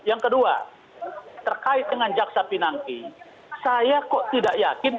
yang kedua terkait dengan jaksa pinangki saya kok tidak yakin